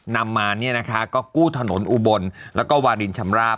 นำมาก็กู้ถนนอุบลแล้วก็วารินชำราบ